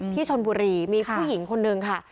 ที่ชนบุรีมีผู้หญิงคนนึงค่ะ